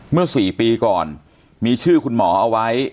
เมื่อ๔ปีก่อนมีชื่อคุณหมอเอาไว้